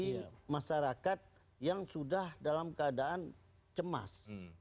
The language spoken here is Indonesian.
memancing emosi masyarakat yang sudah dalam keadaan cemas